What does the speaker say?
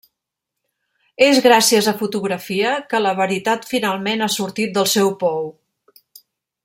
És gràcies a fotografia que la veritat finalment ha sortit del seu pou.